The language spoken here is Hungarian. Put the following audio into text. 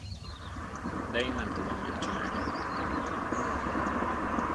De én nem tudom megcsinálni.